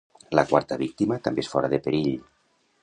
La quarta víctima també és fora de perill.